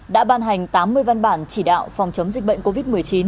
đã ban hành tám mươi văn bản chỉ đạo phòng chống dịch bệnh covid một mươi chín